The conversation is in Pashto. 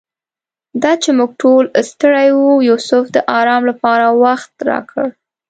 دا چې موږ ټول ستړي وو یوسف د آرام لپاره وخت راکړ.